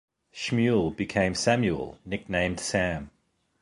Schmuel became Samuel, nicknamed Sam.